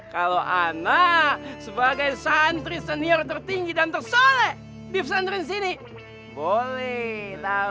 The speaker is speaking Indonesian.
kalau anak sebagai santri senior tertinggi dan tersolek di pesantren sini boleh tahu